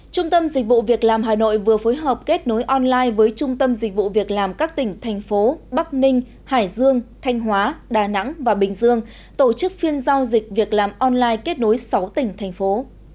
trung tâm dịch vụ việc làm hà nội vừa phối hợp kết nối online với trung tâm dịch vụ việc làm các tỉnh thành phố bắc ninh hải dương thanh hóa đà nẵng và bình dương tổ chức phiên giao dịch việc làm online kết nối sáu tỉnh thành phố